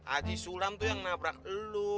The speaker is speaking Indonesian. aji sulam tuh yang nabrak lo